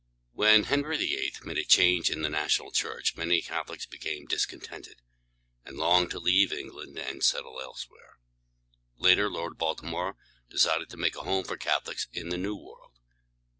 When Henry VIII. made a change in the national church, many Catholics became discontented, and longed to leave England and settle elsewhere. Later, Lord Bal´ti more decided to make a home for Catholics in the New World.